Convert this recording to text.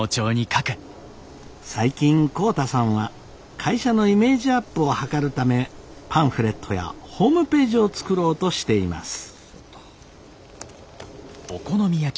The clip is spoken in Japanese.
最近浩太さんは会社のイメージアップを図るためパンフレットやホームページを作ろうとしています。